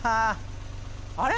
あれ？